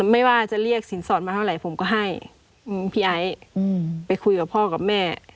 ไม่ว่าจะเรียกสินสอดมาเท่าไหร่ผมก็ให้พี่ไอ้ไปคุยกับพ่อกับแม่